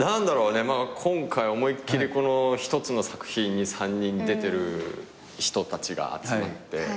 今回思いっ切り一つの作品に出てる人たちが集まって。